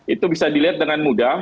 itu bisa dilihat dengan mudah